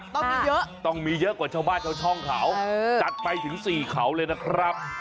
ต้องมีเยอะต้องมีเยอะกว่าชาวบ้านชาวช่องเขาจัดไปถึง๔เขาเลยนะครับ